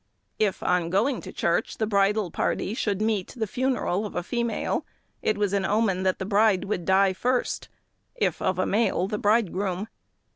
If, on going to church, the bridal party should meet the funeral of a female, it was an omen that the bride would die first; if of a male, the bridegroom.